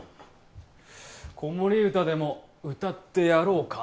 子守歌でも歌ってやろうか？